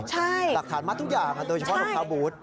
ใช่หลักฐานมาทุกอย่างโดยเฉพาะลบท้าบูธ